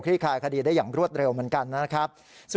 คลายคดีได้อย่างรวดเร็วเหมือนกันนะครับ